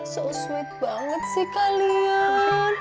so swit banget sih kalian